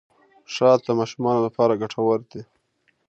شات د ماشومانو لپاره ګټور دي.